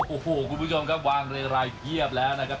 โอ้โหคุณผู้ชมครับวางเรียงรายเพียบแล้วนะครับ